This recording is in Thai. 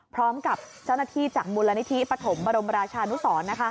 พร้อมกับเจ้าหน้าที่จากมูลนิธิปฐมบรมราชานุสร